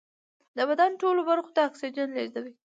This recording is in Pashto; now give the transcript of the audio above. د بدن ټولو برخو ته اکسیجن لېږدوي